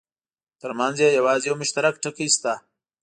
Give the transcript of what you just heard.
ترمنځ یې یوازې یو مشترک ټکی شته.